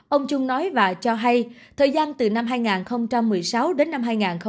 ông trung nói và cho hay thời gian từ năm hai nghìn một mươi sáu đến năm hai nghìn một mươi bảy